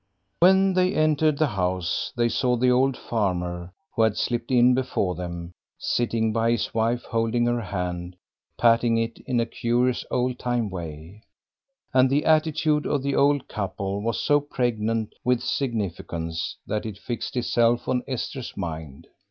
When they entered the house they saw the old farmer, who had slipped in before them, sitting by his wife holding her hand, patting it in a curious old time way, and the attitude of the old couple was so pregnant with significance that it fixed itself on Esther's mind.